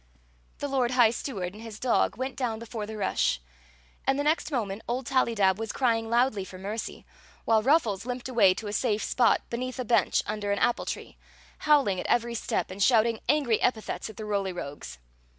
The lord high steward and his dog went down before the rush, and the next moment old Tallydab was crying loudly for mercy, while Ruffles limped away to a safe spot beneath a bench under an apple tree, howling at every step and shouting angry epi thets at the Roly Rogues.